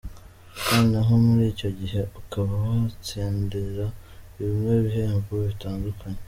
Noneho muri icyo gihe ukaba watsindira bimwe bihembo bitandukanye.